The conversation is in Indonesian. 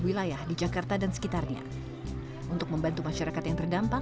seperti jakarta utara bekasi dan tangerang